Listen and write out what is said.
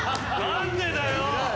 何でだよ！？